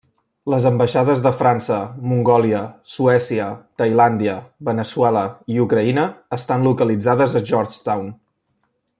Les ambaixades de França, Mongòlia, Suècia, Tailàndia, Veneçuela i Ucraïna estan localitzades a Georgetown.